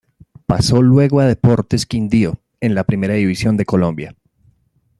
Pasó luego a Deportes Quindío, en la Primera División de Colombia.